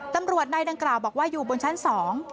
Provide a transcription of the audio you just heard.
ตำรวจนายดังกล่าวบอกว่าอยู่บนชั้นสอง